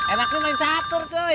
enaknya main catur coy